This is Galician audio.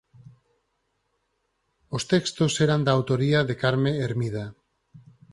Os textos eran da autoría de Carme Hermida.